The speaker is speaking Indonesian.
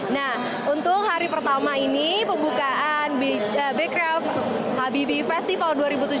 nah untuk hari pertama ini pembukaan becraft habibi festival dua ribu tujuh belas